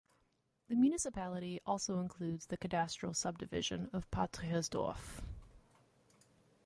The municipality also includes the cadastral subdivision of "Patriasdorf".